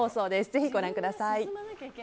ぜひご覧ください。